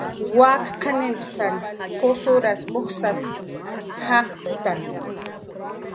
Wak qanimpsan qusuras mujsas jaqptktan